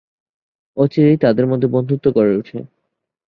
অচিরেই তাদের মধ্যে বন্ধুত্ব গড়ে উঠে।